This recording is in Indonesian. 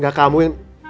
gak kamu yang